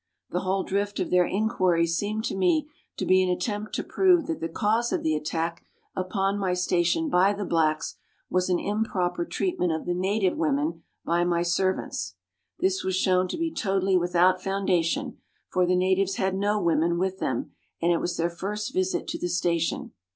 The whole drift of their inquiries seemed to me to be an attempt to prove that the cause of .the attack upon my station by the blacks was an improper treat ment of the native women by my servants. This was shown to be totally without foundation, for the natives had no women with them, and it was their first visit to the station.